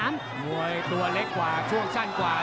มวยตัวเล็กกว่าช่วงสั้นกว่า